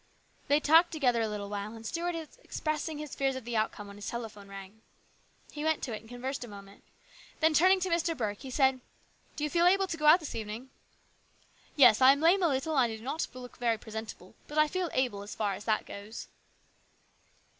They talked together a little while, and Stuart was expressing his fears of the outcome when his telephone rang. He went to it and conversed a moment. Then turning to Mr. Burke, he said, " Do you feel able to go out this evening ?" THE RESCUE. 85 " Yes, I am lame a little and I do not look very presentable, but I feel able, as far as that goes."